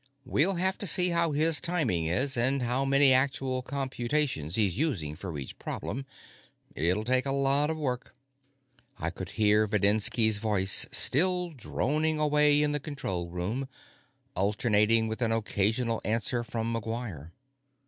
We'll have to see how his timing is, and how many actual computations he's using for each problem. It'll take a lot of work." I could hear Videnski's voice still droning away in the control room, alternating with an occasional answer from McGuire.